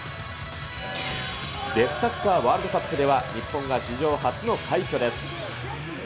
デフサッカーワールドカップでは、日本が史上初の快挙です。